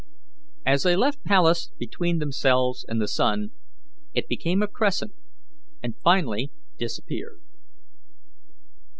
As they left Pallas between themselves and the sun, it became a crescent and finally disappeared.